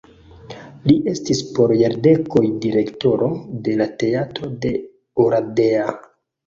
Li estis por jardekoj direktoro de la teatro de Oradea.